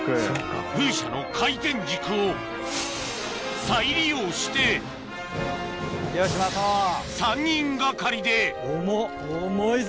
風車の回転軸を再利用して３人がかりで重っ重いぜ！